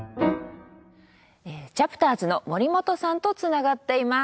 チャプターズの森本さんとつながっています。